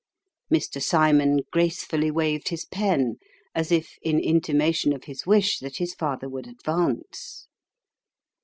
Mr. Simon gracefully waved his pen, as if in intimation of his wish that his father would advance.